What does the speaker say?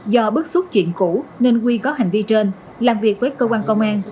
do bước xuất chuyện cũ nên quy có hành vi trên làm việc với cơ quan công an